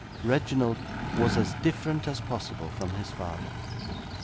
Reginald was as different as possible from his father.